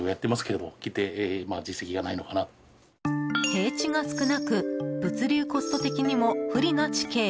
平地が少なく物流コスト的にも不利な地形。